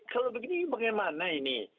kalau begini bagaimana ini